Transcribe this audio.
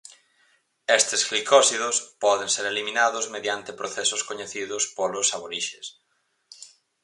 Estes glicósidos poden ser eliminados mediante procesos coñecidos polos aborixes.